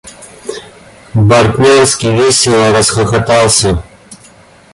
Бартнянский весело расхохотался.